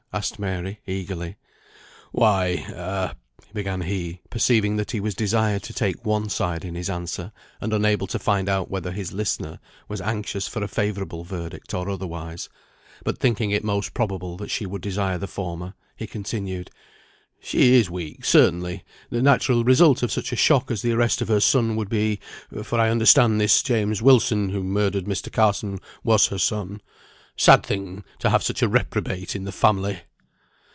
asked Mary, eagerly. "Why a," began he, perceiving that he was desired to take one side in his answer, and unable to find out whether his listener was anxious for a favourable verdict or otherwise; but thinking it most probable that she would desire the former, he continued, "She is weak, certainly; the natural result of such a shock as the arrest of her son would be, for I understand this James Wilson, who murdered Mr. Carson, was her son. Sad thing to have such a reprobate in the family."